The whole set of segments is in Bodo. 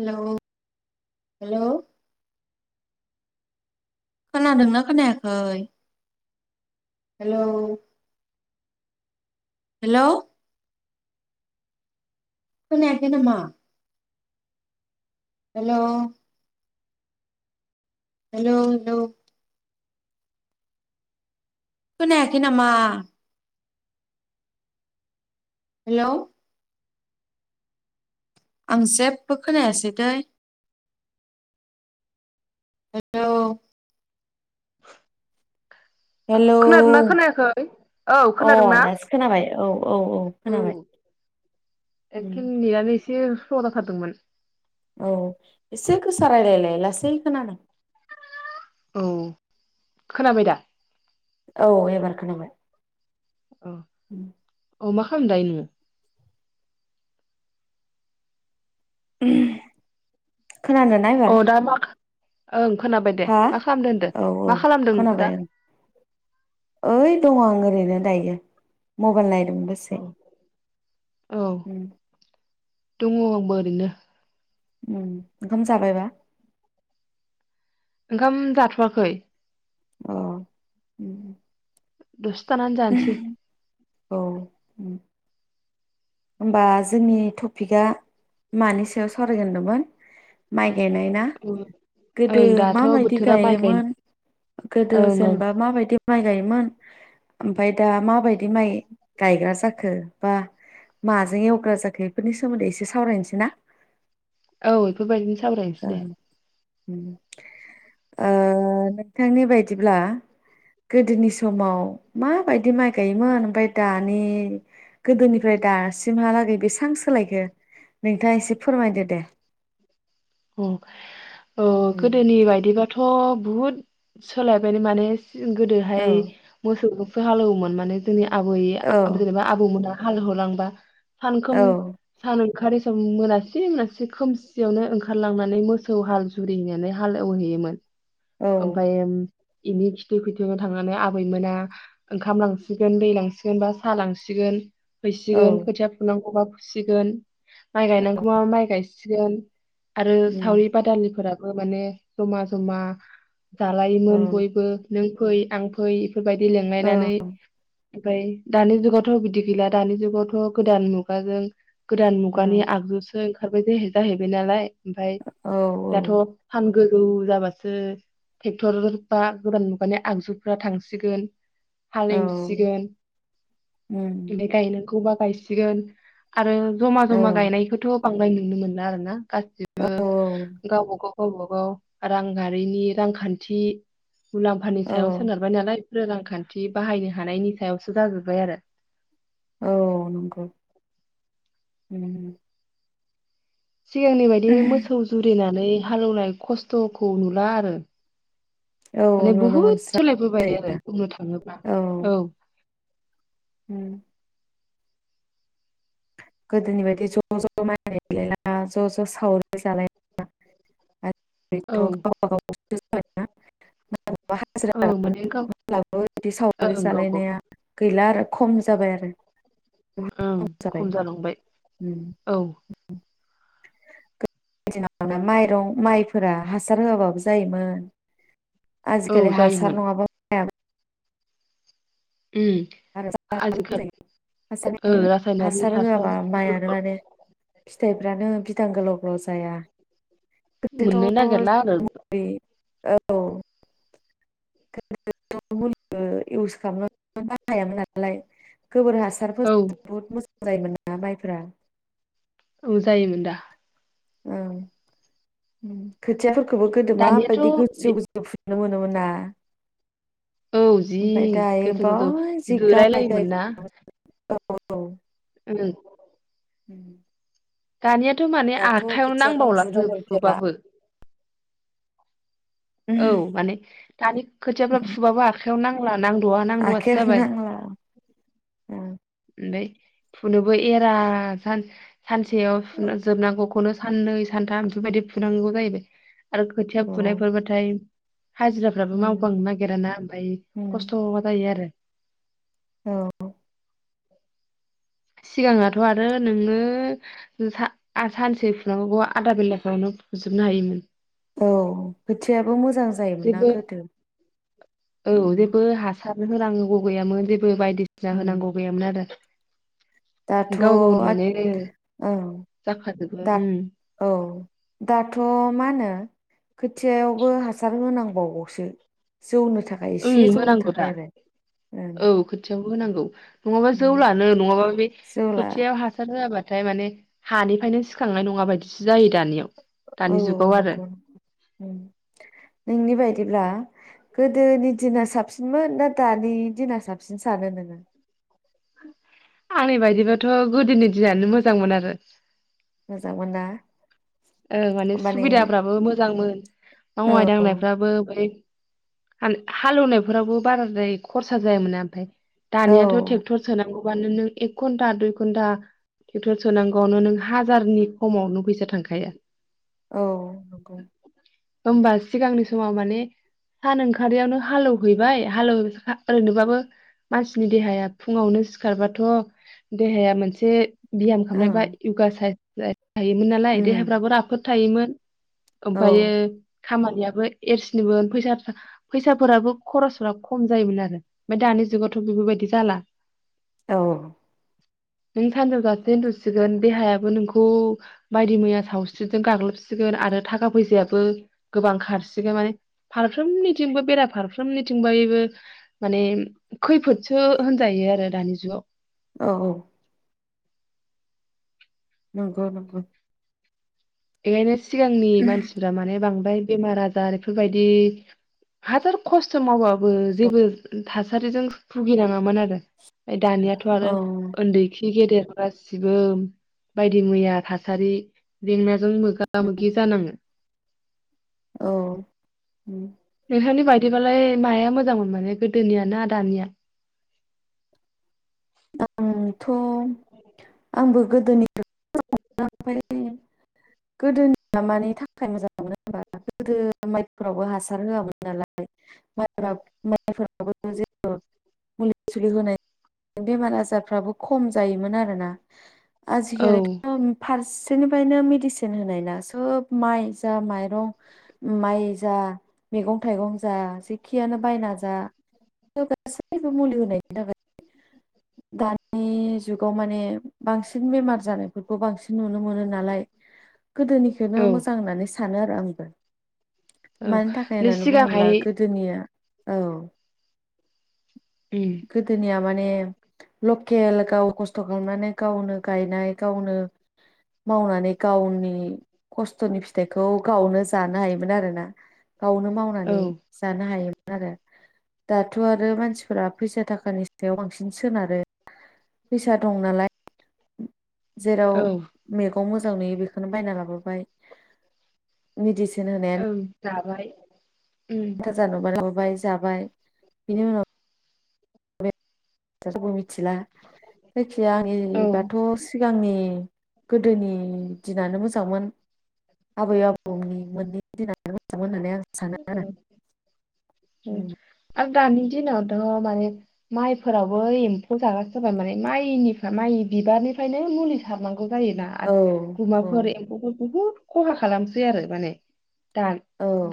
हेलौ हेलौ खोनादोंना खोनायाखै हेलौ हेलौ खोनायाखै नामा हेलौ हेलौ हेलौ खोनायाखै नामा हेलौ आं जेबो खोनायासै देै हेलौ हेलौ खोनादोंना खोनायाखै औ अ खोनादोंना दासो खोनाबाय औ औ औ खोनाबाय एखे [unintelligible] औ एसे गोसा रायलायलाय लासै खोनादों औ खोनाबाय दा औ एबार खोनाबाय औ अ मा [unintelligible] नोङो [inaudible] खोनादोंना अ एबार दा मा ओं खोनाबाय दे हा मा खालामदों होनदों औ औ मा खालामदों नोंखौ दा खोनाबाय आं ओइ दङ आं ओरैनो दायो मबाइल नायनो दों दसे औ उम दङ आंबो ओरैनो उ ओंखाम जाबायबा ओंखाम जाथवाखै अ उम दसे थानानै जानोसै औ उम। होमबा जोंनि टपिकआ मानि सायाव सावरायगोन होनदोंमोन माइ गायनाय ना गोदो ओं दाथ' मा बायदि बोथोरा माइ गायनो गायोमोन गोदो ओं ओं जेनेबा माबायदि माइ गायोमोन ओमफ्राय दा माबायदि माइ गायग्रा जाखो बा माजों एवग्रा जाखो बेफोरनि सोमोन्दै एसे सावरायनोसै ना औ बेफोरबायदिनो ओ सावरायनोसै दे उम ओ नोंथांनि बायदिब्ला गोदोनि समाव माबायदि माइ गायोमोन ओमफ्राय दानि गोदोनिफ्राय दा सिमहालागै बेसबां सोलायखो नोंथाङा एसे फोरमायदो दे औ औ उम गोदोनि बायदिबाथ थ बुहुद सोलायबायलै माने औ गोदोहाय मोसौ हालौवोमोन माने जोंनिया औ आबै जेनेबा आबौमोना हाल होलांबा औ सानखोम सानो ओंखारै सम मोनासि मोनासि खोमसियावनो ओं ओंखारलांनानै मोसौ हाल जुरिनानै हालौहैयोमोन औ ओमफाय ओम इनि खिथु खिथु थांनानै आबैमोना ओंखाम लांसिगोन दै लांसिगोन बा सा लांसिगोन। औ फैसिगोन खोथिया फुनांगौबा सिगोन माय गायनांगौबा माय गायसि सिगोन आरो उम सावरि बादालिफोराब बो माने जमा जमा औ जालायोमोन बयबो नों फै आं फै बेबायदि औ लेंलायनानै ओमफाय दानि जुगावथ बिदि गैला दानि जुगावथ गोदान मुगाजों गोदान मुगानि ओं आगजुसो खारबायदे जाहैबाय नालाय ओमफाय औ दाथ सान गोजौ जाबासो टेक्टर बा गोदान मुगानि आगजुफ्रा थांसिगोन औ हालेवसिगोन उम बे गायनोखौबा बायसिगोन आरो जमा औ जमा गायनायखौथ बांनाय नुनो मोनला आरो ना गा [unintelligible] गावबा औ गाव गावबा गाव रांआरिनि रांखान्थि मुलाम्फानि सायाव औ सोनारबाय नालाय रांखान्थि बाहायनो हानायनि सायावसो जाजुबबाय आरो। औ नंगौ उम सिगांनि बायदि मोसौ जुरिना नै हालोवनाय खस्थखौ नुला आरो औ माने नुनो बहुद मोनस्रा सोलायबोबाय आरो बुंनो थाङोब्ला औ उम गोदोनि बायदि ज ज माइ गयलायला ज ज सावरि जालायला औ आरो [unintelligible] [unintelligible] औ माने गाव [unintelligible] सावगारि ओं गाव जालायनाया गावबाव गैला आरो खम जाबाय आरो बुहुद ओं जाबाय खम जालांबाय औ [unintelligible] माइरं माइफोरा हासार होआबाबो जायोमोन। औ आजिखालि हासार जायोमोन नङाबा [unintelligible] आरो उम जायो आजिखालि हासार ओ रासायनारि होआबा हासार माइआनो फोरखौ माने फिथाइफ्रानो बिदां गोलाव गोलाव जाया। मोननो गोदोथ' नागेरला आरो जेरै औ [unintelligible] गोबोर औ हासारफोरजों बहुत मोजां। जायोमोन ना माइफोरा? औ जायोमोन दा। उम उम खोथियाफोर खौबो गोदो दानियाथ' माबायदि बे गोजौ गोजौ फुयो। नुनो मोनोमोन ना? औ जि ओमफ्राय दायो गोथौ गोथौ बाय जि जोलाय गाहाय गाहाय लायोमोन ना? औ औ ओम उम दानियाथ माने आखाइयावनो फुनो नांबावलासो मोनफेरला फुबाबो। औ माने दानि खोथियाफ्रा फुबाबो आखायाव नां नांदआ नांदआसो आखायानो जाबाय। नांला ओमफाय फुनोबो एरा जानस सानसेयाव औ फुना जोबनांगौखौनो साननै सानथाम इफोरबायदि फुनांगौ जाहैबाय। आरो खोथिया फुनायफोर बाथाय हाजिराफ्राबो उम मावबांनो नागिराना ओमफ्राय उम खस्थ जायो आरो। औ सिगाङावथ' आरो नोंनो सानसे फुनांगौ आदा बेलाफ्रायावनो फुजोबनो हायोमोन। औ खोथियाबो मोजां जायोमोन ना जेबो गोदो होनांगौबो गैयामोन जे बो बायदिसिना उम होनांगौ गैयामोन आरो। दाथ' गाव गावनो आद माने औ जाखाजोबो दा ओं औ दाथ' मा होनो खोथियायावबो हासार होनांगौ। बावगौसो जौनो थाखाय एसे ओं जौनो होनांगौ थाखाय दा आरो ओं। औ खोथियावबो होनांगौ। नङाबा उम जौला नो नङाबा बे जौला खोथियायाव हासार होआबा होयाब्लाथाय माने हानिफ्रायनो सिखांनाय नङा बायदिसो जायो दानियाव। औ दानि जुगाव आरो नंगौ उम। नोंनि बायदिब्ला गोदोनि दिना साबसिनमोन ना दानि दिना साबसिन सानो नोङो? आंनि बायदिबथ' गोदोनि दिनानो मोजांमोन आरो। मोजां मोन ना? ओं माने सुबिदाफ्राबो मोजांमोन औ मावनाय दांनायफ्राबो। ओमफ्राय हालौवनाय फोरावबो बाराद्राय खरसा जायामोना ओमफ्राय। औ दानियाथ' ट्रेक्टर सोनांगौ। अबानो नों एक घन्टा दुइ घन्टा थेक्टर सोनांगौआवनो नों हाजारनि खमाव नों फैसा थांखाया। औ नंगौ। होमबा सिगांनि समाव माने सान ओंखारियावनो हालेवहैबाय। हालेव ओरैनोबाबो मानसिनि देहाया फुङावनो सिखारबाथ देहाया मोनसे बियाम खालामनाय बा ओं यगा साइस। [unintelligible] हायोमोन नालाय उम देहा फोथायोमोन। औ ओमफायो खामानियाबो एरसिनिमोन फैसा फैसाफोराबो खरसफोरा खम जायोमोन आरो ओमफाय दानि जुगावथ' बेफोरबायदि जाला। औ। नों सानजौजासे उन्दुसिगोन देहायाबो नोंखौ बायदि मैया सावस्रिजों गाग्लोबसिगोन आरो थाखा फैसायाबो गोबां खारसिगोन माने फारफ्रोमनिथिंबो बेरा फारफ्रोमनिथिं माने खैफोदसो होनजायो आरो दानि जुगाव। औ औ। नंगौ नंगौ। [unintelligible] सिगांनि मानसिफ्रा माने बां ओमफ्राय बेमार आजार बेफोरबायदि हाजार खस्थ मावबाबो जेबो थासारिजों भुगिनाङामोन आरो। ओ दानियाथ औ आरो उन्दैखि गेदेर गासिबो बायदि मैया थासारि जेंना जों मोगा मोगि जानाङो। औ उम । नोहानि बायदिबालाय माया मोजांमोन माने गोदोनिया ना दानिया आंथ आंबो गोदोनिफ्राय मोजां मोन ओमफ्राय गोदोनिया मानि थाखाय मोजां मोनो होनबा गोदो माइफोरावबो हासार होआमोन नालाय मा-माइफोराबो मुलि सुलि होनाय बेमार आजारफ्राबो खम जायोमोन आरोना। आजि औ खालिथ‌ फारस सेरनिफ्रायनो मेडिसिन होनायना सोब माइ जा माइरं माइ जा मैगं थाइगं जा जेखियानो बायना जा गासैबो मुलि होनायनि थाखाय दानि जुगाव माने बांसिन बेमार जानायफोरखौ बांसिन नुनो मोनो नालाय। गोदोनिखोनो औ मोजां होननानै सानो रा‌ंबो औ मानि थाखाय माने होननानै बुङोब्ला सिगांहाय गोदोनिया औ उम गोदोनिया माने माने लकेल गाव खस्थ खालामनानै गावनो गायनाय गावनो मावनानै गावनि खस्थनि फिथाइखौ गावनो जानो हायोमोन आरोना। गावनो औ मावनानै जानो हायोमोन । आरो दाथ आरो मानसिफोरा फैसा थाखानि सायाव बांसिन सोनारो फैसा दं नालाय जेराव औ मैगं मोजां नुयो बेखौनो बायना लाबोबाय मिदिसिन न होनायानो ओं जाबाय उम [unintelligible] नुबानो खांबाय जाबाय बिनि उनाव [unintelligible] मिथिला जायखिाया औ आंनिबाथ सिगांनि गोदोनि दिनानो मोजांमोन। आबै आबौनि मोननै दिनानो मोजांमोन होननानै आं सानो आरो [unintelligible] दानि दिनावथ माने माइफोरावबो एम्फौ जागासिनो जाबाय माने माइनिफ्राय माइ बिबारनिफ्रायनो मुलि सारनांगौ। एमफौ जायो आरोना औ औ गुमाफोर एमफौफोर बुहुत खहा खालामसै आरो माने। दा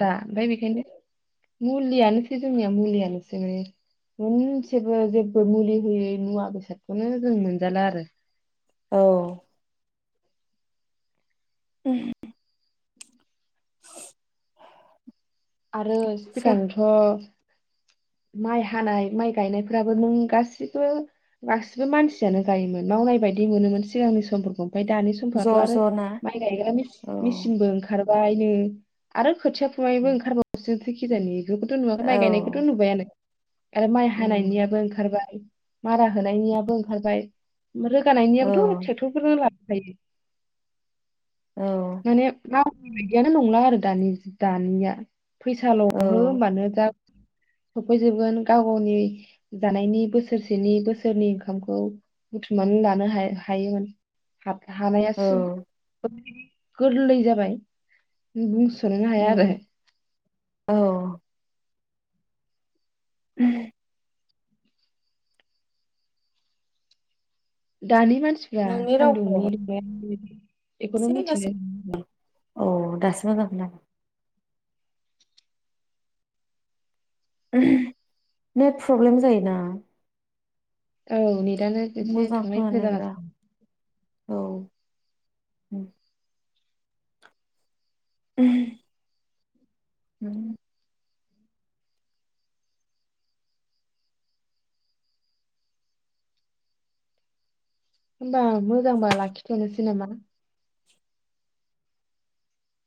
दा ओमफाय बेखायनो मुलियानोसै जोंनिया मुलियानोसै माने मोनसेबो जेबो मुलि होयै मुवा बेसादखौनो जों मोनजाला आरो औ उह [inaudible] आरो सोब सिगांथ' माइ हानाय माइ गायनायफ्राबो नों गासिबो गासिबो मानसियानो गायोमोन मावनाय बायदि मोनोमोन सिगांनि समफोरखौ । ओमफाय दानि ज' समफोराथ' आरो ज' ना माइ गायग्रा औ मिस-मिसिनबो ओंखारब बायनो आरो ख खोथिया फुनायबो ओंखारबावोसो खि जानि बेखौथ नुयाखै माइ गायनायखौथ औ नुबायानो आरो माइ उम हानायनियाबो ओंखारबाय । मारा होनायनियाबो ओंखारबाय उम औ रोगानायनियाबोथ थेखथरफोरनो ला बायदि औ माने मा बिदियानो नंला आरो दानि दानिया फैसााल हो औ ओमबानो जा सफैजोबगोन गाव गावनि जानायनि बोसोरसेनि बोसोरनि ओंखामखौ बुथुमनानै लानो हाय-हायोमोन हाब हानाया औ सुब गोरलै जाबाय बुंस उम औ । उम दानि मान मानसिया नोंनि रावखौ सान्दुंनि दुंनाय [unintelligible] [unintelligible] औ दासो मोजां खोनाद नेट प्रब्लेम जायोना औ नेट तआनो एसे मोजां थांलाय खोनानो फैलाय नागिरा जागासिनो । औ उम [inaudible] होमबा मोजांबा लाखिथनोसै नामा?